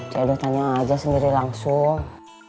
saya udah tanya aja sendiri langsung